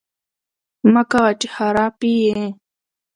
مکوه! چې خراپی یې